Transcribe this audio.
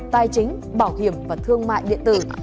tài chính bảo hiểm và thương mại điện tử